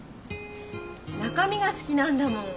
中身が好きなんだもん。